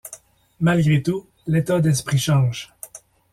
Malgré tout, l'état d'esprit change.